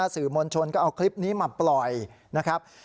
สื่อมวลชนก็เอาคลิปนี้มาปล่อยนะครับ